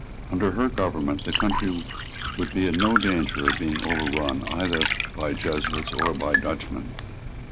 Under her government the country would be in no danger of being overrun either by Jesuits or by Dutchmen.